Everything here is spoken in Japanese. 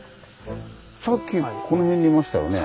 さっきこの辺にいましたよね。